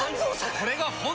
これが本当の。